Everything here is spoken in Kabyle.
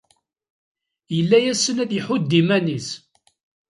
Yella yessen ad iḥudd iman-nnes.